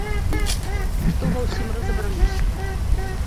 Што ва ўсім разабраліся.